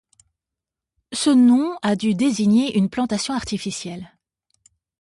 Ce nom a dû désigner une plantation artificielle.